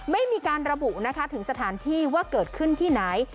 ไม่มีการระบุนะคะถึงสถานที่ว่าเกิดขึ้นที่ไหน